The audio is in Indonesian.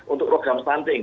untuk program stunting